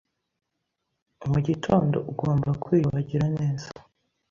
Mu gitondo ugomba kwiyuhagira neza